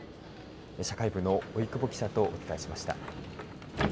社会部の老久保記者とお伝えしました。